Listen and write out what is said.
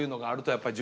やっぱり。